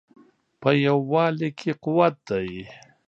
په یووالي کې قوت دی